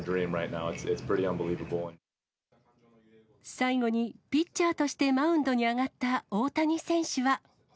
最後にピッチャーとしてマウンドに上がった大谷選手は。